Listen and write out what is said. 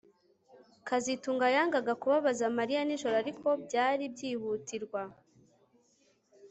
kazitunga yangaga kubabaza Mariya nijoro ariko byari byihutirwa